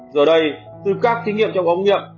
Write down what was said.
giờ đây từ các thí nghiệm trong công nghiệp